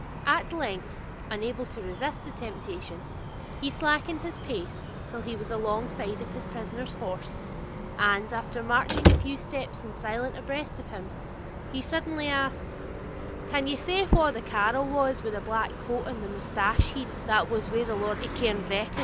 At length, unable to resist the temptation, he slackened his pace till he was alongside of his prisoner's horse, and after marching a few steps in silence abreast of him, he suddenly asked 'Can ye say wha the carle was wi' the black coat and the mousted head, that was wi' the Laird of Cairnvreckan?'